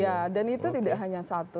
ya dan itu tidak hanya satu